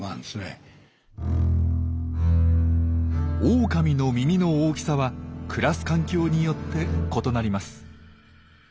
オオカミの耳の大きさは暮らす環境によって異なります。